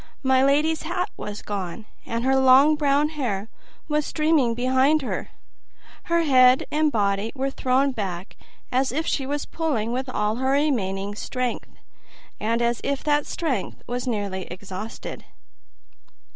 My lady's hat was gone, and her long brown hair was streaming behind her. Her head and body were thrown back, as if she were pulling with all her remaining strength, and as if that strength were nearly exhausted.